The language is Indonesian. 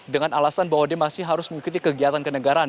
dengan alasan bahwa dia masih harus mengikuti kegiatan kenegaraan